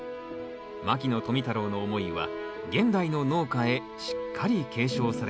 牧野富太郎の思いは現代の農家へしっかり継承されています